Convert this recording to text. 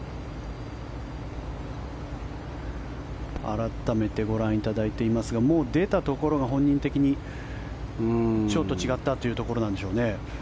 改めてご覧いただいていますがもう出たところが本人的にちょっと違ったというところなんでしょうね。